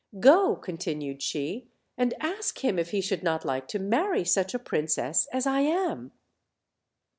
Go," con tinued she, "and ask him if he should not like to marry such a princess as I am."